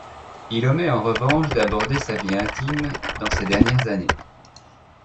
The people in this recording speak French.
Il omet en revanche d'aborder sa vie intime dans ses dernières années.